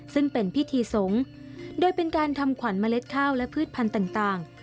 ซึ่งเป็นพิธีสงฆ์โดยเป็นการทำขวัญเมล็ดข้าวและพืชพันธุ์ต่าง